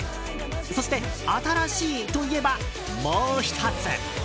そして、新しいといえばもう１つ。